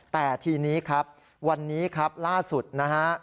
แต่ทีนี้ครับวันนี้ครับล่าสุดนะฮะ